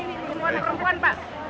ini yang perempuan pak